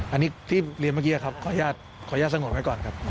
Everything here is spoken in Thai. อันนี้ที่เรียนเมื่อคืนเมื่อกี้ครับขออนุญาตส่งออกให้ก่อนครับ